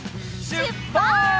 しゅっぱつ！